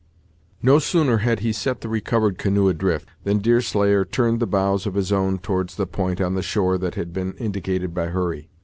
No sooner had he set the recovered canoe adrift, than Deerslayer turned the bows of his own towards the point on the shore that had been indicated by Hurry.